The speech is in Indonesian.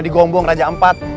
di gombong raja empat